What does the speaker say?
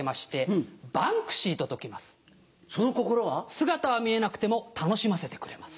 姿は見えなくても楽しませてくれます。